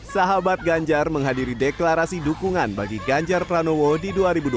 sahabat ganjar menghadiri deklarasi dukungan bagi ganjar pranowo di dua ribu dua puluh